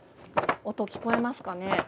音、聞こえますかね？